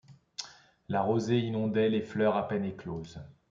La rosée inondait les fleurs à peine écloses ;